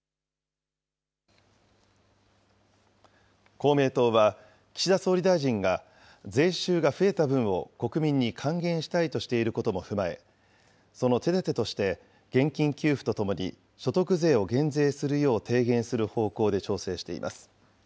公明党は、岸田総理大臣が税収が増えた分を国民に還元したいとしていることも踏まえ、その手だてとして、現金給付とともに、所得税を減税するよう提言する方向で調整しています。